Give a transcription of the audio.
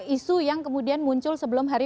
isu yang kemudian muncul sebelum hari